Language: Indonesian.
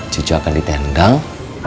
cucu akan ditendang